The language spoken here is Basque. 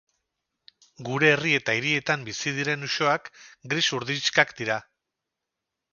Gure herri eta hirietan bizi diren usoak gris-urdinxkak dira.